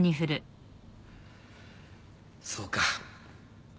そうか。